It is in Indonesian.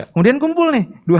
kemudian kumpul nih